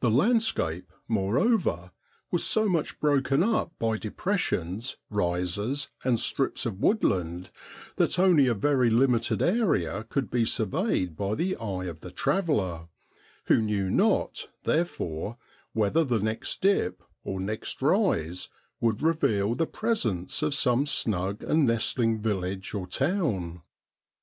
The landscape, moreover, was so much broken up by depressions, rises, and strips of woodland, that only a very limited area could be surveyed by the eye of the traveller, who knew not, therefore, whether the next dip or next rise would reveal the presence of some snug and nestling village or town.